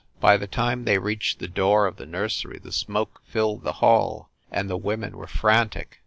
By the time they reached the door of the nursery the smoke filled the hall, and the women were frantic.